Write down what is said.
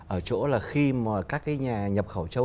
ở chỗ là khi mà các cái nhà nhập khẩu châu